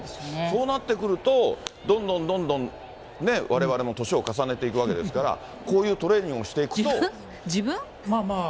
そうなってくると、どんどんどんどん、われわれも年を重ねていくわけですから、こういうトレーニングを自分？